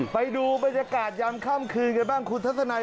ไปดูบรรยากาศยามค่ำคืนกันบ้างคุณทัศนัย